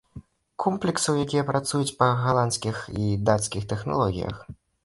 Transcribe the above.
Комплексаў, якія працуюць па галандскіх і дацкіх тэхналогіях.